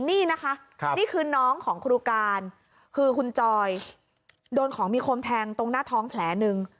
นี่นะคะนี่คือน้องของครูการคือคุณจอยโดนของมีคมแทงตรงหน้าท้องแผลหนึ่ง